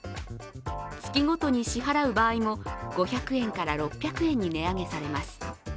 月ごとに支払う場合も５００円から６００円に値上げされます。